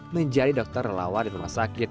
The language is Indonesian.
menjadi dokter relawan di rumah sakit